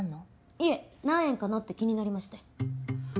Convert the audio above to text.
いえ何円かなって気になりまして。